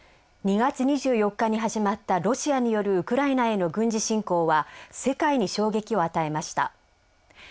２月２４日に始まったロシアによるウクライナへの軍事侵攻は世界に衝撃を与えました。